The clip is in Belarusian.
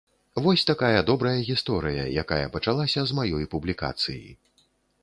Вось такая добрая гісторыя, якая пачалася з маёй публікацыі.